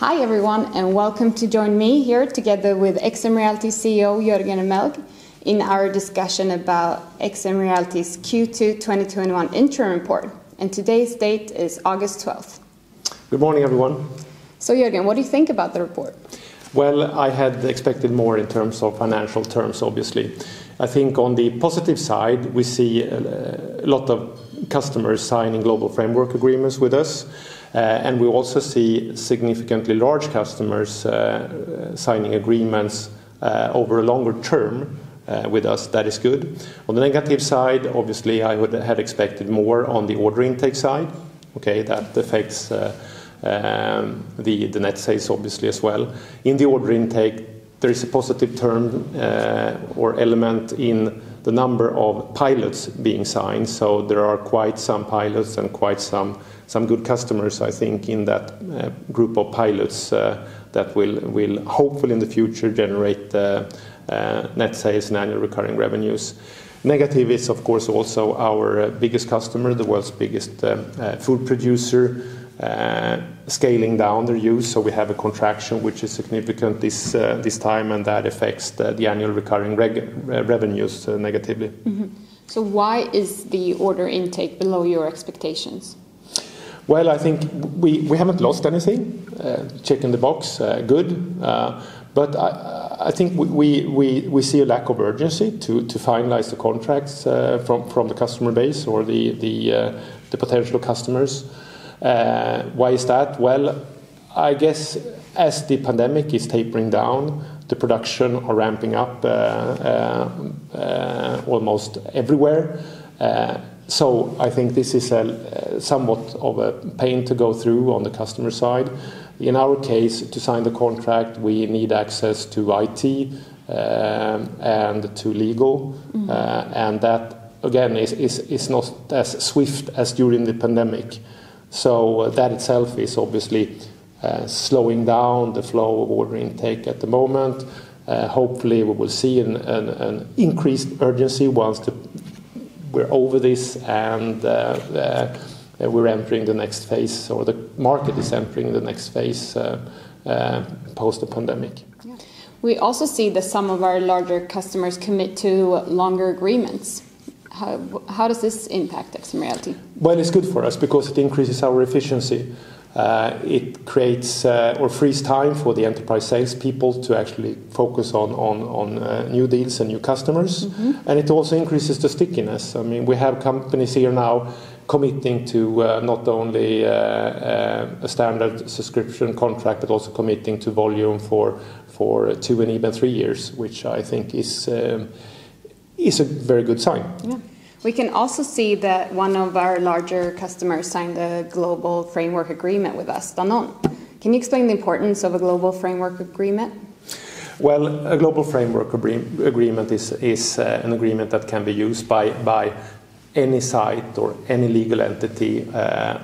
Hi everyone, welcome to join me here together with XMReality CEO Jörgen Remmelg in our discussion about XMReality's Q2 2021 interim report. Today's date is August 12th. Good morning, everyone. Jörgen, what do you think about the report? Well, I had expected more in terms of financial terms, obviously. I think on the positive side, we see a lot of customers signing global framework agreements with us, and we also see significantly large customers signing agreements over a longer term with us. That is good. On the negative side, obviously, I would have expected more on the order intake side. Okay, that affects the net sales obviously as well. In the order intake, there is a positive term or element in the number of pilots being signed, so there are quite some pilots and quite some good customers, I think, in that group of pilots that will hopefully in the future generate net sales and annual recurring revenues. Negative is, of course, also our biggest customer, the world's biggest food producer, scaling down their use. We have a contraction, which is significant this time, and that affects the annual recurring revenues negatively. Why is the order intake below your expectations? Well, I think we haven't lost anything. Check in the box, good. I think we see a lack of urgency to finalize the contracts from the customer base or the potential customers. Why is that? Well, I guess as the pandemic is tapering down, the production are ramping up almost everywhere. I think this is somewhat of a pain to go through on the customer side. In our case, to sign the contract, we need access to IT and to legal. That again, is not as swift as during the pandemic. That itself is obviously slowing down the flow of order intake at the moment. Hopefully, we will see an increased urgency once we're over this and we're entering the next phase, or the market is entering the next phase post the pandemic. Yeah. We also see that some of our larger customers commit to longer agreements. How does this impact XMReality? Well, it's good for us because it increases our efficiency. It creates or frees time for the enterprise salespeople to actually focus on new deals and new customers. It also increases the stickiness. We have companies here now committing to not only a standard subscription contract, but also committing to volume for two and even three years, which I think is a very good sign. Yeah. We can also see that one of our larger customers signed a global framework agreement with us, Danone. Can you explain the importance of a global framework agreement? Well, a global framework agreement is an agreement that can be used by any site, or any legal entity,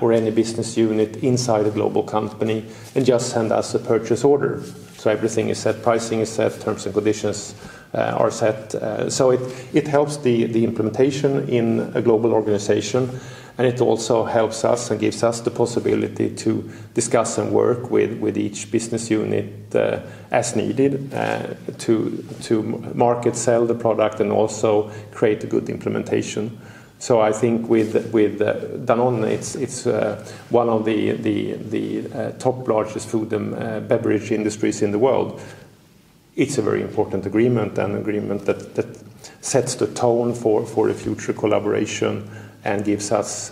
or any business unit inside a global company, and just send us a purchase order. Everything is set, pricing is set, terms and conditions are set. It helps the implementation in a global organization, and it also helps us and gives us the possibility to discuss and work with each business unit as needed to market sell the product and also create a good implementation. I think with Danone, it's one of the top largest food and beverage industries in the world. It's a very important agreement, an agreement that sets the tone for a future collaboration and gives us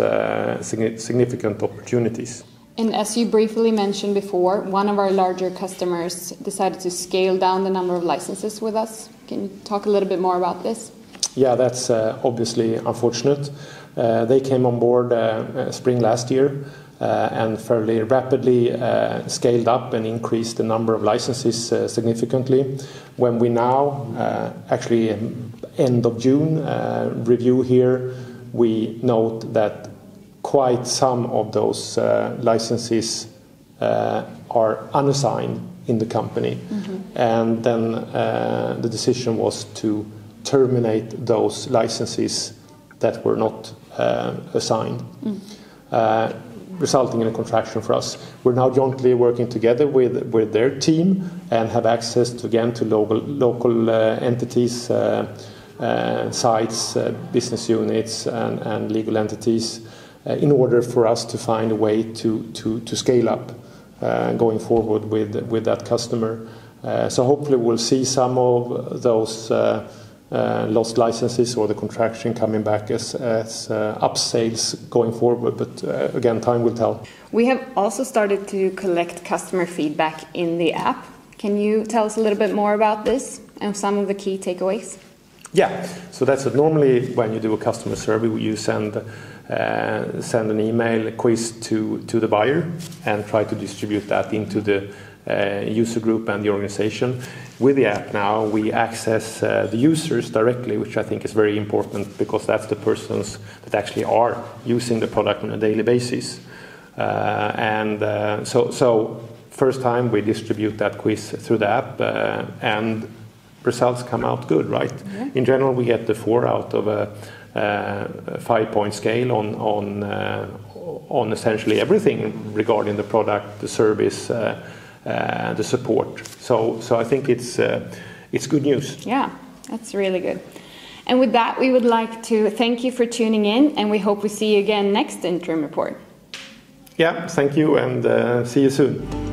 significant opportunities. As you briefly mentioned before, one of our larger customers decided to scale down the number of licenses with us. Can you talk a little bit more about this? Yeah, that is obviously unfortunate. They came on board spring last year and fairly rapidly scaled up and increased the number of licenses significantly. When we now, actually end of June, review here, we note that quite some of those licenses are unassigned in the company. The decision was to terminate those licenses that were not assigned. Resulting in a contraction for us. We're now jointly working together with their team and have access again to local entities, sites, business units, and legal entities in order for us to find a way to scale up going forward with that customer. Hopefully we'll see some of those lost licenses or the contraction coming back as upsales going forward. Again, time will tell. We have also started to collect customer feedback in the app. Can you tell us a little bit more about this and some of the key takeaways? Yeah. That's normally when you do a customer survey, you send an email, a quiz to the buyer and try to distribute that into the user group and the organization. With the app now, we access the users directly, which I think is very important because that's the persons that actually are using the product on a daily basis. First time we distribute that quiz through the app, and results come out good, right? In general, we get the four out of a 5-point scale on essentially everything regarding the product, the service, the support. I think it's good news. Yeah. That's really good. With that, we would like to thank you for tuning in, and we hope we see you again next interim report. Yeah. Thank you, and see you soon.